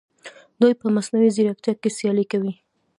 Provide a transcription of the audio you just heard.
دوی په مصنوعي ځیرکتیا کې سیالي کوي.